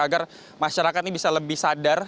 agar masyarakat ini bisa lebih sadar